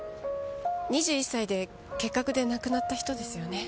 ２１歳で結核で亡くなった人ですよね？